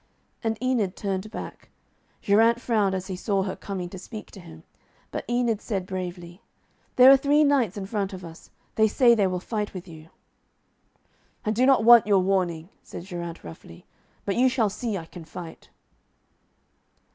And Enid turned back. Geraint frowned as he saw her coming to speak to him, but Enid said bravely, 'There are three knights in front of us. They say they will fight with you.' 'I do not want your warning,' said Geraint roughly, 'but you shall see I can fight.'